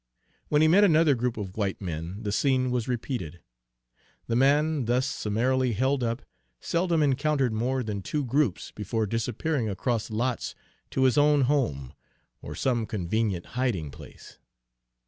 When he met another group of white men the scene was repeated. The man thus summarily held up seldom encountered more than two groups before disappearing across lots to his own home or some convenient hiding place.